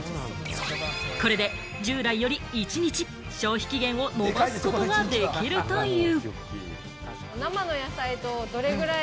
これで従来より一日、消費期限を延ばすことができるという。